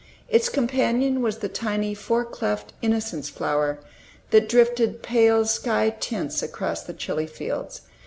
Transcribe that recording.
Its companion was the tiny four cleft innocence flower, that drifted pale sky tints across the chilly fields.